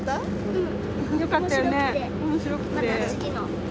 うん。